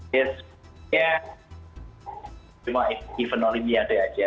ya sebenarnya cuma evenolimnya ada aja